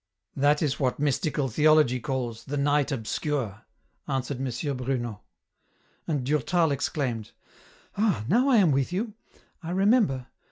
" That is what mystical theology calls ' the Night Obscure,' " answered M. Bruno. And Durtal exclaimed, " Ah ! now I am with you ; I remember